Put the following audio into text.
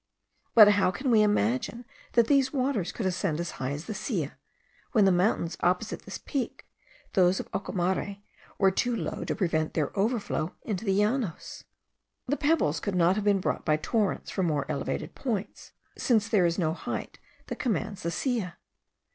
But how can we imagine that these waters could ascend as high as the Silla, when the mountains opposite this peak, those of Ocumare, were too low to prevent their overflow into the llanos? The pebbles could not have been brought by torrents from more elevated points, since there is no height that commands the Silla.